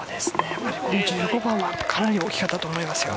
やはり１５番はかなり大きかったと思いますよ。